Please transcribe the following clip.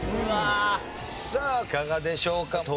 さあいかがでしょうか？